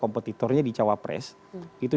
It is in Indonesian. kompetitornya di cawapres itu